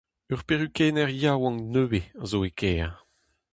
Ur perukenner yaouank nevez zo e kêr.